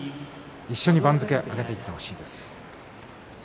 一緒に番付を上げていってほしいです。